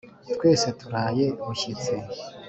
twese turaye bushyitsi